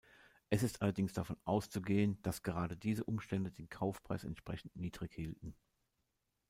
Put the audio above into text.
Es ist allerdings davon auszugehen, dass gerade diese Umstände den Kaufpreis entsprechend niedrig hielten.